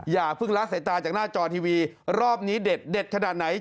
อย่าเพิ่งละสายตาจากหน้าจอทีวีรอบนี้เด็ดเด็ดขนาดไหน